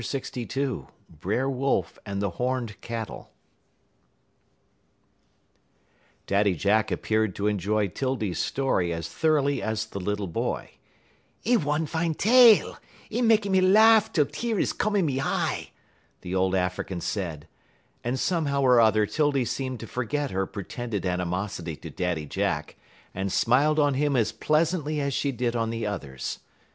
LXII BRER WOLF AND THE HORNED CATTLE Daddy Jack appeared to enjoy 'Tildy's story as thoroughly as the little boy. "'E one fine tale. 'E mekky me lahff tell tear is come in me y eye," the old African said. And somehow or other 'Tildy seemed to forget her pretended animosity to Daddy Jack, and smiled on him as pleasantly as she did on the others.